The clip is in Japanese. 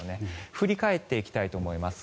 振り返っていきたいと思います。